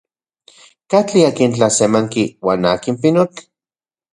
¿Katli akin tlasemanki uan akin pinotl?